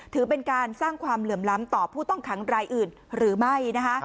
ถือเป็นการสร้างความเหลื่อมล้ำต่อผู้ต้องขังรายอื่นหรือไม่นะคะ